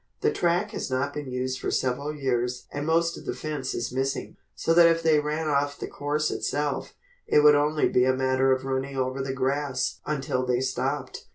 The track has not been used for several years and most of the fence is missing, so that if they ran off the course itself, it would only be a matter of running over the grass until they stopped.